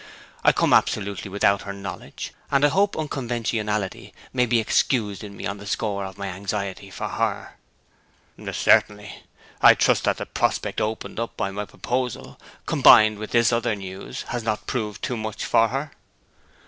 I come absolutely without her knowledge, and I hope unconventionality may be excused in me on the score of my anxiety for her.' 'Certainly. I trust that the prospect opened up by my proposal, combined with this other news, has not proved too much for her?'